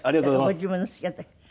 ご自分の好きな時。